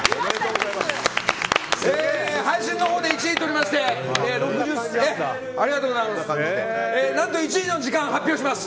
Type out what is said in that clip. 配信のほうで１位をとりましてありがとうございます。